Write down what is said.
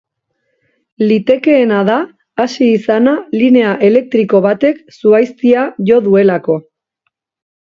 Litekeena da hasi izana linea elektriko batek zuhaiztia jo duelako.